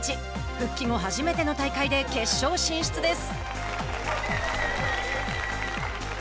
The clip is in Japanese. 復帰後初めての大会で決勝進出です。